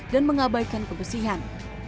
dan mengabaikan kebersihan